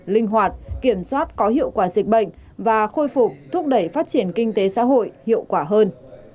linh hoạt kiểm soát có hiệu quả dịch bệnh và khôi phục thúc đẩy phát triển kinh tế xã hội hiệu quả hơn